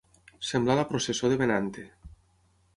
Semblar la processó de Benante.